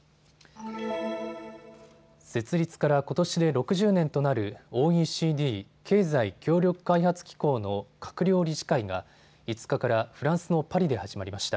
設立からことしで６０年となるＯＥＣＤ・経済協力開発機構の閣僚理事会が５日からフランスのパリで始まりました。